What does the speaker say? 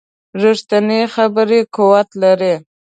ریښتینې خبرې قوت لري